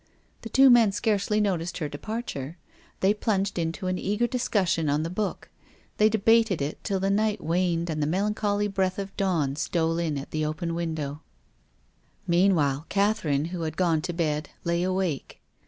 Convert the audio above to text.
The two men scarcely noticed her departure. They plunged into an eager discussion on the book. They debated it till the night waned and the melancholy breath of dawn stole in at the open window. 172 TONGUES OF CONSCIENCE. Meanwhile, Catherine, who had gone to bed, lay awake.